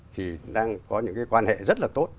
thì đang có những cái quan hệ rất là tốt